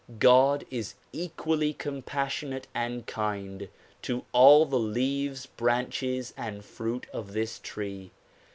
God is equally compassionate and kind to all the leaves, branches and fruit of this tree.